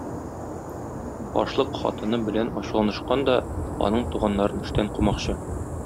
Башлык хатыны белән ачуланышкан да, аның туганнарын эштән кумакчы.